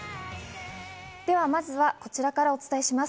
まずはこちらからお伝えします。